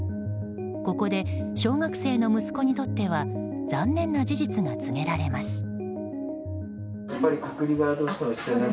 ここで小学生の息子にとっては残念な事実が告げられます。